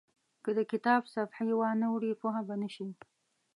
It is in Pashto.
که د کتاب صفحې وانه ړوئ پوه به نه شئ.